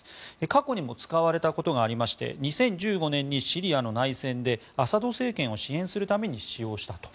過去にも使われたことがありまして２０１５年にシリアの内戦でアサド政権を支援するために使用したと。